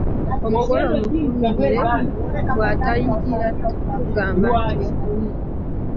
Omugole omufumirire bw’atanyirira tugamba nti yakonye.